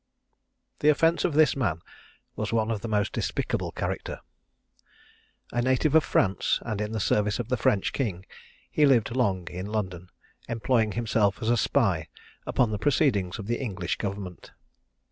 The offence of this man was one of the most despicable character. A native of France, and in the service of the French king, he lived long in London, employing himself as a spy upon the proceedings of the English government.